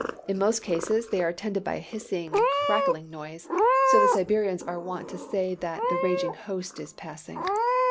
In most cases, they are attended by a hissing, crackling noise: so the Siberians are wont to say that "the raging host is passing."